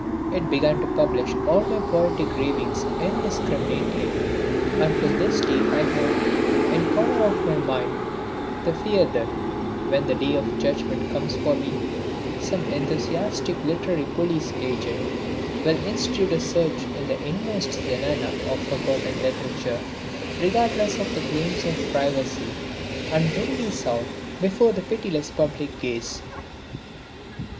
It began to publish all my poetic ravings indiscriminately, and to this day I have, in a corner of my mind, the fear that, when the day of judgment comes for me, some enthusiastic literary police agent will institute a search in the inmost zenana of forgotten literature, regardless of the claims of privacy, and bring these out before the pitiless public gaze.